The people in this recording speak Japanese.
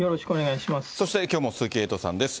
そしてきょうも鈴木エイトさんです。